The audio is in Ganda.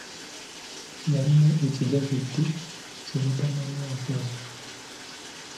Yalina ekijaketi ki mutamanyampewo.